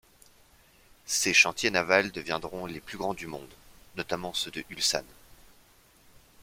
Ses chantiers navals deviendront les plus grands du monde, notamment ceux de Ulsan.